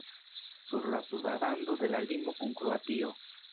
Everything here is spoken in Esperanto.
Sur la suda rando de la limo kun Kroatio.